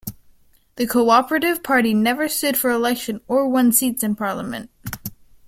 The Co-operative Party never stood for election or won seats in Parliament.